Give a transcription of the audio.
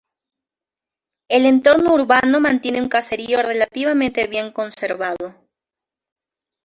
El entorno urbano mantiene un caserío relativamente bien conservado.